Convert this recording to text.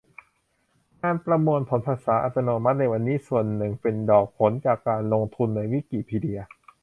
งานประมวลผลภาษาอัตโนมัติในวันนี้ ส่วนหนึ่งเป็นดอกผลจากการลงทุนในวิกิพีเดีย